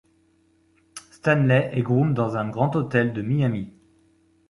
Stanley est groom dans un grand hôtel de Miami.